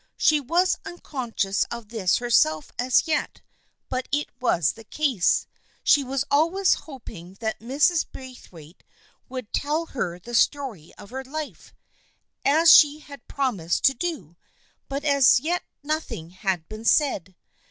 She was unconscious of this herself as yet, but it was the case. She was always hoping that Mrs. Braithwaite would tell her the story of her life, as she had promised to do, but as yet nothing had been said.